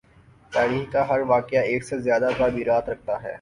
تایخ کا ہر واقعہ ایک سے زیادہ تعبیرات رکھتا ہے۔